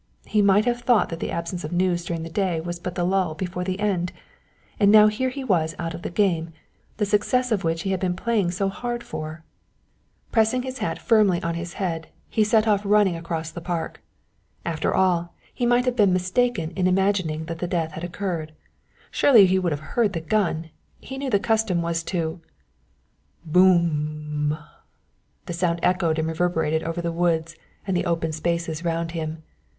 He might have thought that the absence of news during the day was but the lull before the end, and now here he was out of the game, the success of which he had been playing so hard for. Pressing his hat firmly on his head, he set off running across the park. After all, he might have been mistaken in imagining that the death had occurred. Surely he would have heard the gun. He knew that the custom was to _Boom m m _ The sound echoed and reverberated over the woods and the open spaces round him.